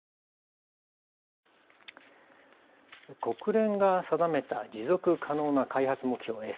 国連が定めた持続可能な開発目標